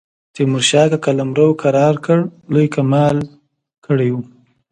تیمورشاه که قلمرو کرار کړ لوی کمال کړی وي.